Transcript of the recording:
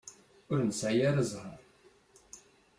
Ur nesεi ara ẓẓher.